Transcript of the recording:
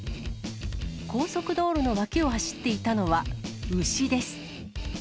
高速道路の脇を走っていたのは牛です。